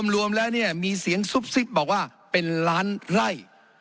รวมแล้วเนี่ยมีเสียงซุบซิบบอกว่าเป็นล้านไล่